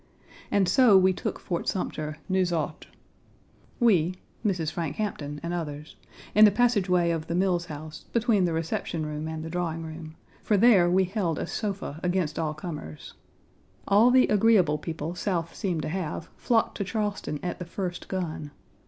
And so we took Fort Sumter, nous autres; we Mrs. Frank Hampton, and others in the passageway of the Mills House between the reception room and the drawing room, for there we held a sofa against all comers. All the agreeable people South seemed to have flocked to Charleston at the first gun.